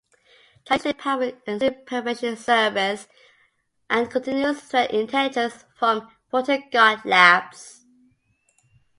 Try using powerful Intrusion Prevention Service and continuous threat intelligence from FortiGuard Labs.